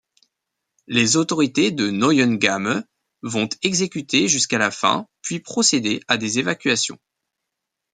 Les autorités de Neuengamme vont exécuter jusqu’à la fin, puis procéder à des évacuations.